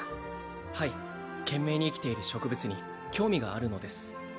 はい懸命に生きている植物に興味があるのです